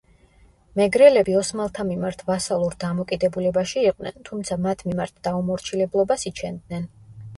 მეგრელები ოსმალთა მიმართ ვასალურ დამოკიდებულებაში იყვნენ, თუმცა მათ მიმართ დაუმორჩილებლობას იჩენდნენ.